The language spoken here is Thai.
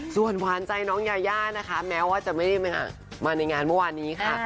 ส่วนหวานใจน้องยายานะคะแม้ว่าจะไม่ได้มาในงานเมื่อวานนี้ค่ะ